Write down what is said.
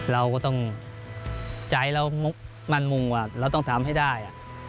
เราก็ต้องใจเรามุ่งมั่นมุ่งว่าเราต้องทำให้ได้